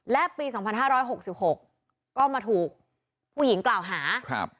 และปีสองพันห้าร้อยหกสิบหกก็มาถูกผู้หญิงกล่าวหาครับ